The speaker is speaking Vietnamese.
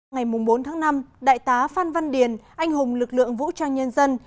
ngày bốn tháng năm đại tá phan văn điền anh hùng lực lượng vũ trang nhân dân